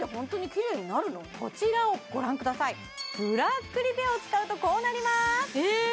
こちらをご覧くださいブラックリペアを使うとこうなりまーすえー